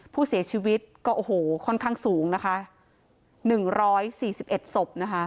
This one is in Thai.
ผู้เสียชีวิตก็โอ้โหค่อนข้างสูงนะคะหนึ่งร้อยสี่สิบเอ็ดศพนะคะ